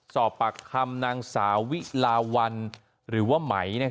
สอบปากคำนางสาวิลาวันหรือว่าไหม